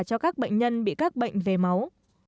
cho các bệnh nhân bị các bệnh về máu